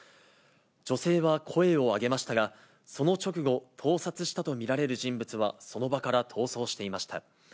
女性は声を上げましたが、その直後、盗撮したと見られる人物はその場から逃走していました。